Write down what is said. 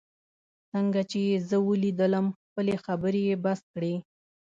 څنګه چي یې زه ولیدم، خپلې خبرې یې بس کړې.